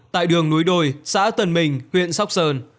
tại đường núi đôi xã tân mình huyện sóc sơn